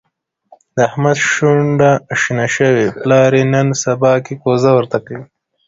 د احمد شونډه شنه شوې، پلار یې نن سباکې کوزده ورته کوي.